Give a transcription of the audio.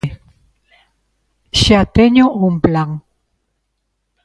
Xa teño un plan.